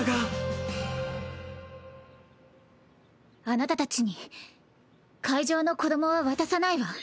「あなたたちに会場の子供は渡さないわ」。